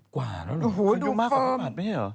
๖๐กว่าแล้วหรอคุณดูมากกว่าภัยผัดมั้ยหรอ